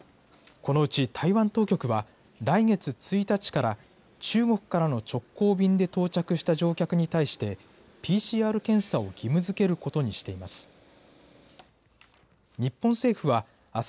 このうち台湾当局は、来月１日から、中国からの直行便で到着した乗客に対して、ＰＣＲ検査を義務づけることにしています。